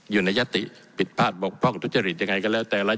อยู่ในยัตติผิดพลาดปกป้องทุกจริตยังไงก็แล้วแต่อะไร